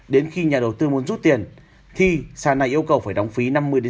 đến khi nhà đầu tư muốn rút tiền thì sàn này yêu cầu phải đóng phí năm mươi